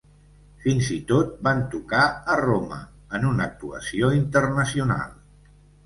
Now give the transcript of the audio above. Fins i tot van tocar a Roma, en una actuació internacional.